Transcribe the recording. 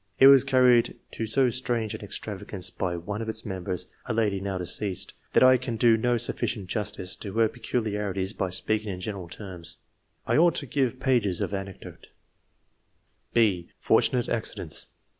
It was carried to so strange an extravagance by one of its members, a lady now deceased, that I can do no sufficient justice to her peculiarities by speaking in general terms ; I ought to give pages of anecdote. Id8 ENGLISH MEN OF SCIENCE. [chap. § B. FORTUNATE ACCIDENTS.